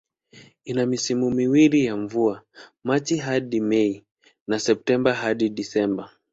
Ina misimu miwili ya mvua, Machi hadi Mei na Septemba hadi Disemba.